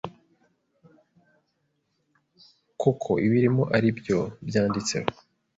koko ibirimo ari byo byanditseho